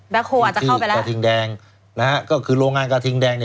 แล้วครูอาจจะเข้าไปแล้วนะฮะก็คือโรงงานกาธิงแดง